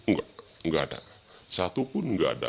enggak enggak ada satupun nggak ada